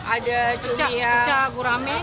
ada cumi yang pucat gurame